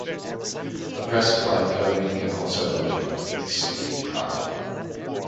A press-applied coating can also eliminate the "ink sticking" problem.